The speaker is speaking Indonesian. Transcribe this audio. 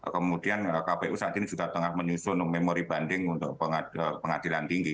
kemudian kpu saat ini juga tengah menyusun memori banding untuk pengadilan tinggi